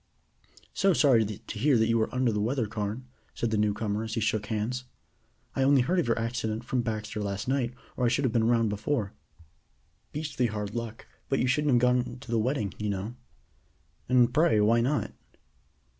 "So sorry to hear that you are under the weather Carne," said the new comer as he shook hands. "I only heard of your accident from Baxter last night or I should have been round before. Beastly hard luck, but you shouldn't have gone to the wedding, you know!" "And, pray, why not?"